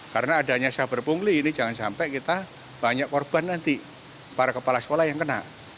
karena adanya saber pungli ini jangan sampai kita banyak korban nanti para kepala sekolah yang kena